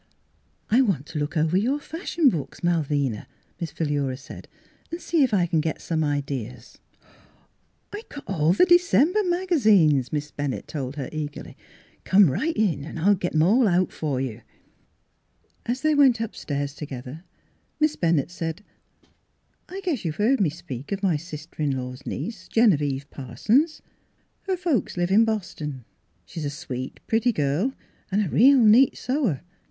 " I want to look over your fashion books, Malvina," Miss Philura said, " and see if I can get some ideas." " I've got all the December magazines,'' Miss Philura^s Wedding Gown Miss Bennett told her eagerly. " Come right in an' I'll get 'em all out for you." As they went upstairs together Miss Bennett said, " I guess you've heard me speak of my sister in law's niece, Genevieve Parsons? Her folks live in Boston ; she's a sweet, pretty girl, and a real neat sewer.